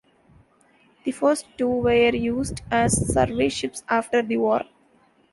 The first two were used as survey ships after the War.